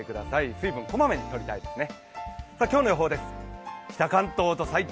水分こまめに取りたいですね。